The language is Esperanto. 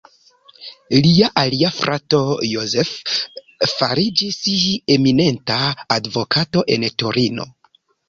Lia alia frato Joseph fariĝis eminenta advokato en Torino.